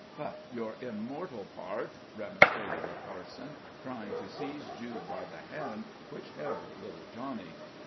"But your immortal part," remonstrated the parson, trying to seize Jude by the hand which held little Johnny.